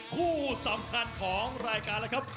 คู่สำคัญของรายการเลยครับ